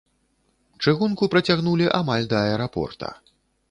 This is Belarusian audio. Чыгунку працягнулі амаль да аэрапорта.